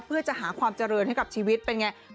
เพื่อจะหาความเจริญให้กับชีวิตเป็นไง